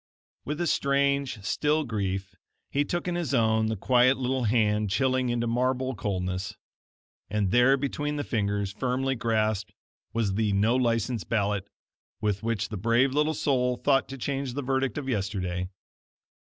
With a strange still grief he took in his own the quiet little hand chilling into marble coldness, and there between the fingers, firmly clasped, was the No License ballot with which the brave little soul thought to change the verdict of yesterday.